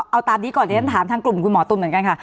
เอาตามนี้ก่อนที่ฉันถามทางกลุ่มคุณหมอตุ๋นเหมือนกันค่ะ